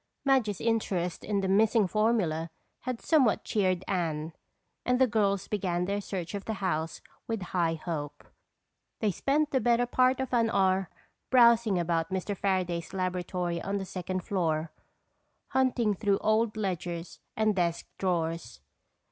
Madge's interest in the missing formula had somewhat cheered Anne and the girls began their search of the house with high hope. They spent the better part of an hour browsing about Mr. Fairaday's laboratory on the second floor, hunting through old ledgers and desk drawers.